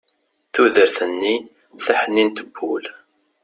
tudert-nni taḥnint n wul